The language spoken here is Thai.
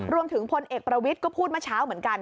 พลเอกประวิทย์ก็พูดเมื่อเช้าเหมือนกัน